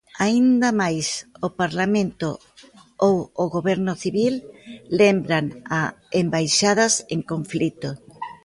Aínda máis, o Parlamento ou o Goberno Civil lembran a embaixadas en conflito.